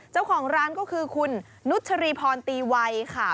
เจ้าของร้านก็คือคุณนุชรีพรตีวัยค่ะ